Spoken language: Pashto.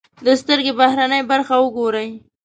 د سترکې بهرنۍ برخه و ګورئ.